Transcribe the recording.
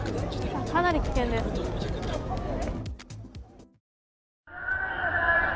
かなり危険です。